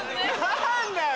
何だよ